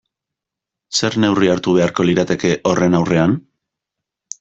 Zer neurri hartu beharko lirateke horren aurrean?